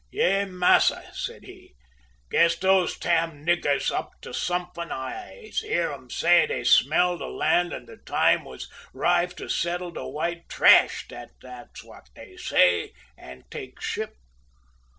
"`Yay, massa,' said he, `guess dose tam niggars up to sumfin'! I'se hear um say dey smell de lan' an' de time was 'rive to settle de white trash, dat what dey say, an' take ship.